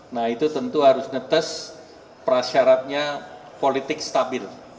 nah itu tentu harus netes prasyaratnya politik stabil